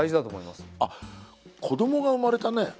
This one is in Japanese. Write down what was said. あっ子どもが生まれたね。